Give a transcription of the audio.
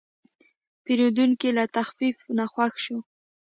پیرودونکی له تخفیف نه خوښ شو.